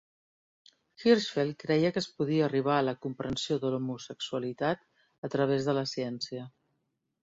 Hirschfeld creia que es podia arribar a la comprensió de l'homosexualitat a través de la ciència.